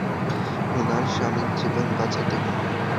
উনার স্বামীর জীবন বাঁচাতে।